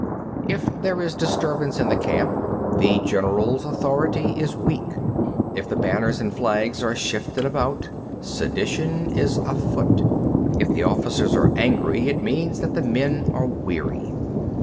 33. If there is disturbance in the camp, the general's authority is weak. If the banners and flags are shifted about, sedition is afoot. If the officers are angry, it means that the men are weary.